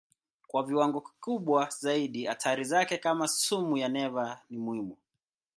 Kwa viwango kikubwa zaidi hatari zake kama sumu ya neva ni muhimu.